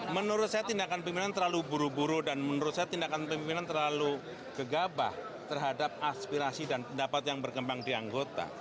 menurut saya tindakan pimpinan terlalu buru buru dan menurut saya tindakan pimpinan terlalu gegabah terhadap aspirasi dan pendapat yang berkembang di anggota